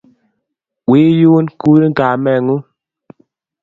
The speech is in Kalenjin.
Wi yun, kurin kameng'ung'